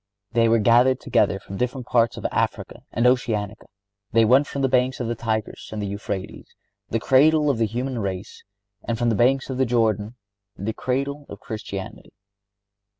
They were gathered together from different parts of Africa and Oceanica. They went from the banks of the Tigris and Euphrates, the cradle of the human race, and from the banks of the Jordan, the cradle of Christianity.